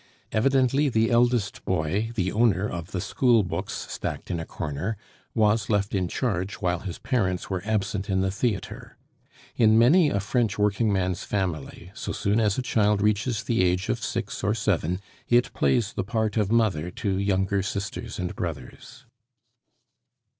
Evidently the eldest boy, the owner of the school books stacked in a corner, was left in charge while his parents were absent at the theatre. In many a French workingman's family, so soon as a child reaches the age of six or seven, it plays the part of mother to younger sisters and brothers.